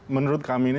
menurut kami ini